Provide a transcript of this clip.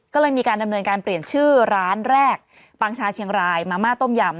ก็เลยมีการดำเนินการเปลี่ยนชื่อร้านแรกปางชาเชียงรายมาม่าต้มยำ